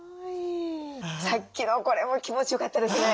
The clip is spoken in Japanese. さっきのこれも気持ちよかったですね。